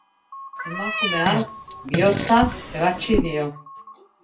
Emakume hark bihotza ebatsi dio.